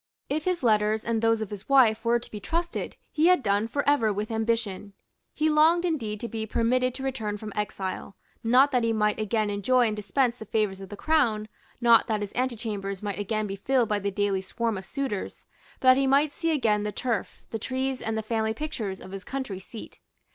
If his letters and those of his wife were to be trusted, he had done for ever with ambition. He longed indeed to be permitted to return from exile, not that he might again enjoy and dispense the favours of the Crown, not that his antechambers might again be filled by the daily swarm of suitors, but that he might see again the turf, the trees and the family pictures of his country seat.